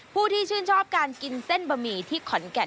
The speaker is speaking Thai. ผู้ที่ชื่นชอบการกินเส้นบะหมี่ที่ขอนแก่น